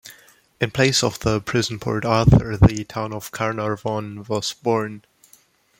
In place of the Prison Port Arthur, the town of Carnarvon was born.